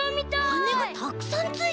はねがたくさんついてる。